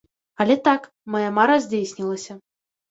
Але так, мая мара здзейснілася.